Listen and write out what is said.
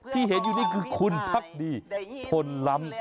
ที่เห็นอยู่นี่คือคุณพักดีพลล้ำ